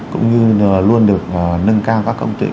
cũng như luôn được nâng cao